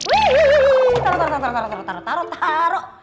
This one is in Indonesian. wih taruh taruh taruh taruh taruh taruh